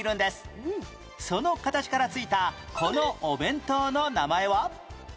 その形から付いたこのお弁当の名前は？